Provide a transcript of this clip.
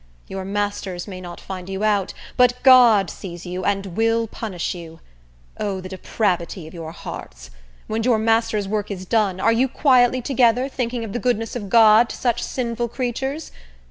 Your masters may not find you out, but God sees you, and will punish you. O, the depravity of your hearts! When your master's work is done, are you quietly together, thinking of the goodness of God to such sinful creatures?